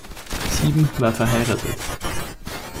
Sieben war verheiratet.